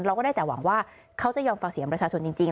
เราก็ได้แต่หวังว่าเขาจะยอมฟังเสียงประชาชนจริง